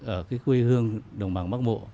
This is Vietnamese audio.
ở quê hương đồng bằng bắc bộ